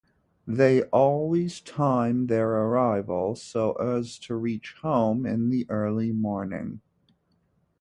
They always time their arrival so as to reach home in the early morning.